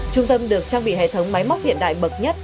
trung tâm được trang bị hệ thống máy móc hiện đại bậc nhất